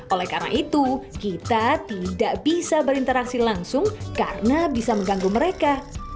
oleh karena itu kita tidak bisa berinteraksi langsung karena bisa mengganggu mereka